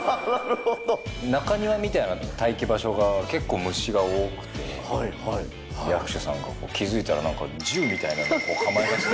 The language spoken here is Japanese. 中庭みたいな待機場所が結構虫が多くて、役所さんが、気付いたら、なんか銃みたいなのを構えだして。